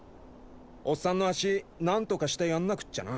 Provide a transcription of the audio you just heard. オッサンの足何とかしてやんなくっちゃな。